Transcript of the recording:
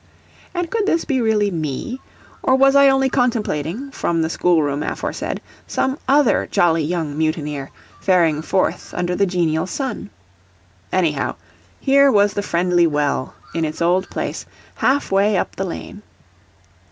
And could this be really me? or was I only contemplating, from the schoolroom aforesaid, some other jolly young mutineer, faring forth under the genial sun? Anyhow, here was the friendly well, in its old place, half way up the lane.